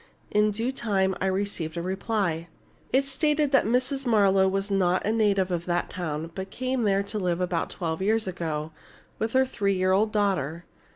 In due time I received a reply. It stated that Mrs. Marlowe was not a native of that town, but came there to live about twelve years ago, with her three year old daughter.